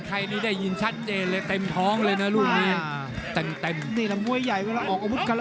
สิ้นดังฟังชัดมาก